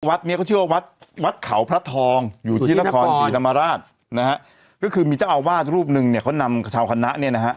วัดเนี้ยเขาชื่อว่าวัดวัดเขาพระทองอยู่ที่นครศรีธรรมราชนะฮะก็คือมีเจ้าอาวาสรูปหนึ่งเนี่ยเขานำชาวคณะเนี่ยนะฮะ